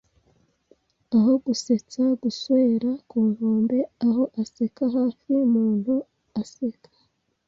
Aho gusetsa-guswera ku nkombe, aho aseka hafi-muntu aseka,